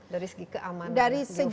dari segi keamanan geofisikanya